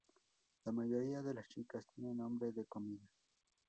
La mayoría de las chicas tiene nombre de comida.